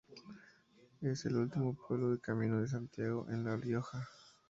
Es el último pueblo del Camino de Santiago en La Rioja.